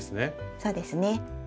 そうですね。